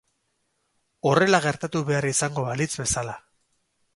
Horrela gertatu behar izango balitz bezala.